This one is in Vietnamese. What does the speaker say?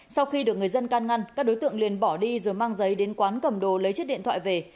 sau khi được người dân can ngăn các đối tượng liền bỏ đi rồi mang giấy đến quán cầm đồ lấy chiếc điện thoại về